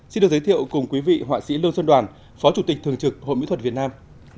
xin được giới thiệu cùng quý vị họa sĩ lương xuân đoàn phó chủ tịch thường trực hội mỹ thuật việt nam